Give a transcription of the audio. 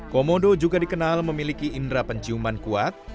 komodo juga dikenal memiliki indera penciuman kuat